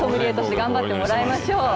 頑張ってもらいましょう。